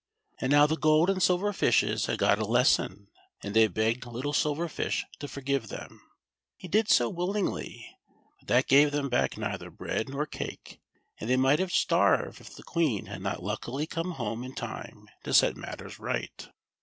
And now the gold and silver fishes had got a lesson, and they begged little Silver Fish to forgive them ; he did so willingl} ; but that gave them back neither bread nor cake, and they might have starved if the Queen had not luckily come home in time to set matters right.